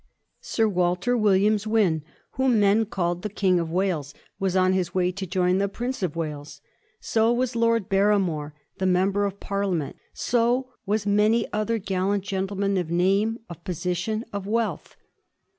Sir Walter Williams Wynn, whom men called the King of Wales, was on his way to join the Prince of Wales. So was Lord Barry more, the member of Parliament ; so was many another gallant gentleman of name, of position, of wealth.